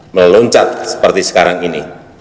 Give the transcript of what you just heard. meloncat seperti sekarang ini